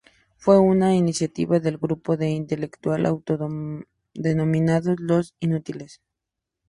Fue una iniciativa del grupo de intelectuales autodenominados Los Inútiles.